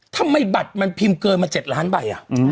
ทำไมบัตรมันพิมพ์เกินมา๗ล้านใบ